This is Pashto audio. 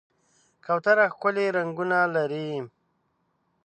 کوتره ښکلي رنګونه لري.